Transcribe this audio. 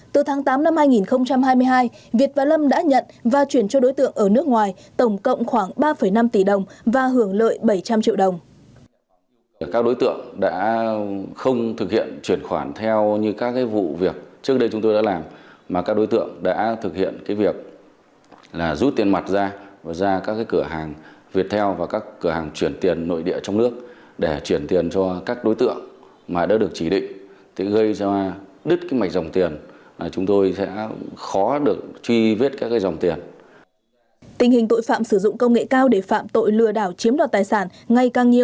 từ tháng tám năm hai nghìn hai mươi hai việt và lâm đã nhận và chuyển cho đối tượng ở nước ngoài tổng cộng khoảng ba năm tỷ đồng và hưởng lợi bảy trăm linh triệu đồng